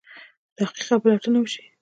تحقیق او پلټنه وشي.